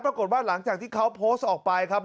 ปรากฏว่าหลังจากที่เขาโพสต์ออกไปครับ